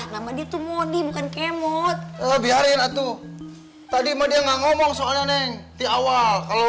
nama itu modi bukan kemot lebih hari itu tadi mau dia nggak ngomong soalnya neng di awal kalau